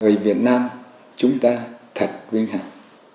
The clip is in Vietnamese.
người việt nam chúng ta thật vinh hạnh